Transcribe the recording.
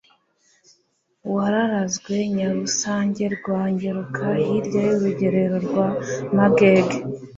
wararanzwe Nyarusange rwa Ngeruka hilya y'urugerero rwa Magege;